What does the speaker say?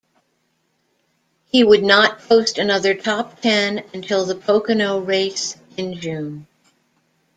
He would not post another top ten until the Pocono race in June.